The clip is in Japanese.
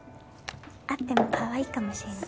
あってもかわいいかもしれない。